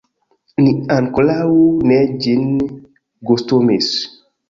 Ni ankoraŭ ne ĝin gustumis.